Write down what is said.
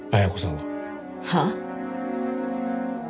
はあ？